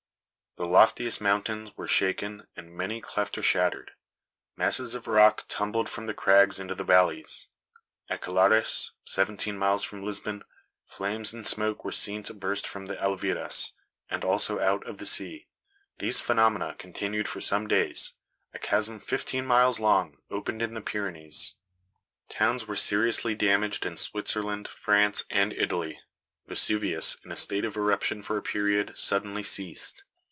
The loftiest mountains were shaken, and many cleft or shattered. Masses of rock tumbled from the crags into the valleys. At Colares, seventeen miles from Lisbon, flames and smoke were seen to burst from the Alviras, and also out of the sea. These phenomena continued for some days. A chasm fifteen miles long opened in the Pyrenees. Towns were seriously damaged in Switzerland, France and Italy. Vesuvius, in a state of eruption for a period, suddenly ceased.